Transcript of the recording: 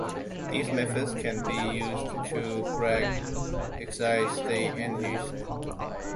These methods can be used to correct excited state energies.